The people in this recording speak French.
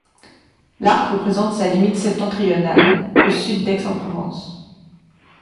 L'Arc représente sa limite septentrionale au sud d'Aix-en-Provence.